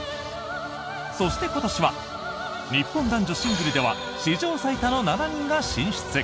そして今年は日本男女シングルでは史上最多の７人が進出。